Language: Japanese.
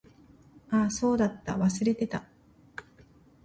あ、そうだった。忘れてた。